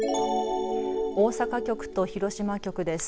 大阪局と広島局です。